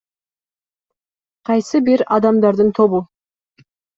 Кайсы бир адамдардын тобу.